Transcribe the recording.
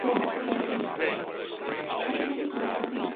Media and technology play a significant role in mass media production.